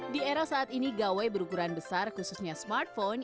di era saat ini gawai berukuran besar khususnya smartphone